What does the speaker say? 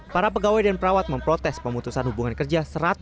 para pegawai dan perawat memprotes pemutusan hubungan kerja